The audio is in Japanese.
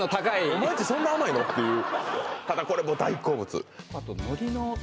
お前んちそんな甘いの？っていうただこれも大好物ですよね